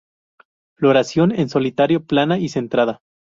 Floración en solitario plana, y centrada.